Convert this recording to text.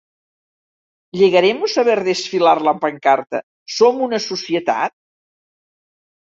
¿Llegaremos a ver desfilar la pancarta “Som una societat”?